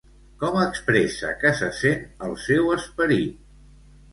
Com expressa que se sent el seu esperit?